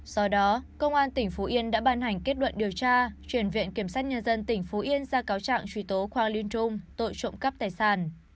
do đó công an tỉnh phú yên đã ban hành kết luận điều tra chuyển viện kiểm sát nhân dân tỉnh phú yên ra cáo trạng truy tố khoang liên trung tội trộm cắp tài sản